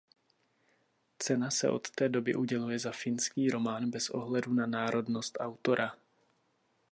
Cena se od té doby uděluje za finský román bez ohledu na národnost autora.